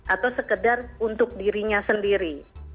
atau sekedar untuk dirinya sendiri